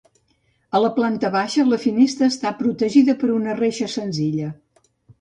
A la planta baixa, la finestra està protegida per una reixa senzilla.